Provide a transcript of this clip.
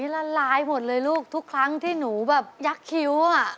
ละลายหมดเลยลูกทุกครั้งที่หนูแบบยักษ์คิ้วอ่ะ